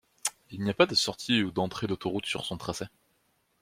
Il n'y a pas de sortie ou d'entrée d'autoroute sur son tracé.